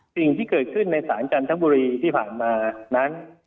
สิ่งที่เกิดขึ้นในศาลจันทบุรีที่ผ่านมานั้น